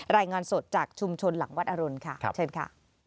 รายงานสดจากชุมชนหลังวัดอรุณค่ะเชิญค่ะ